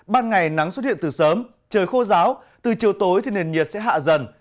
ban ngày nắng xuất hiện từ sớm trời khô ráo từ chiều tối thì nền nhiệt sẽ hạ dần